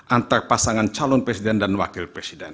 antar pasangan calon presiden dan wakil presiden